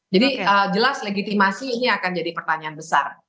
jadi jelas legitimasi ini akan jadi pertanyaan besar